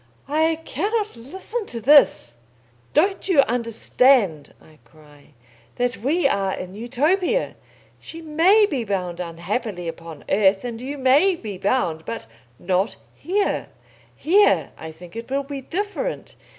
I cannot listen to this! "Don't you understand," I cry, "that we are in Utopia. She may be bound unhappily upon earth and you may be bound, but not here. Here I think it will be different.